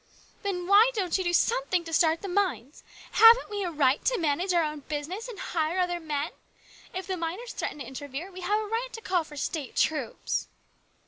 " Then why don't you do something to start the mines ? Haven't we a right to manage our own business and hire other men ? If the miners threaten to interfere, we have a right to call for State troops."